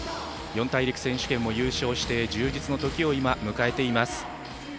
四大陸選手権も優勝して充実のときを迎えています。